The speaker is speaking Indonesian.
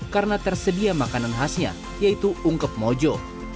karena tersedia makanan khasnya yaitu ungkep mojo